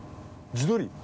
地鶏？